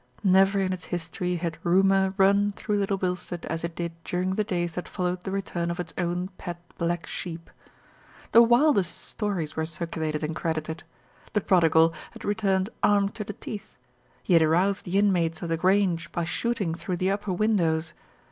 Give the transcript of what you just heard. Never in its history had rumour run through Little 163 164 THE RETURN OF ALFRED Bilstead as it did during the days that followed the return of its own pet black sheep. The wildest stories were circulated and credited. The prodigal had returned armed to the teeth, he had aroused the inmates of The Grange by shooting through the upper windows.